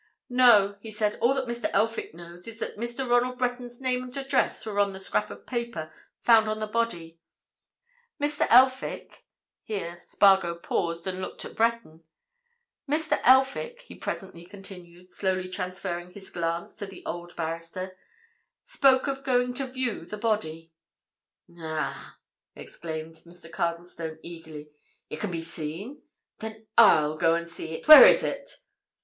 "No," he said. "All that Mr. Elphick knows is that Mr. Ronald Breton's name and address were on the scrap of paper found on the body. Mr. Elphick"—here Spargo paused and looked at Breton—"Mr. Elphick," he presently continued, slowly transferring his glance to the old barrister, "spoke of going to view the body." "Ah!" exclaimed Mr. Cardlestone, eagerly. "It can be seen? Then I'll go and see it. Where is it?"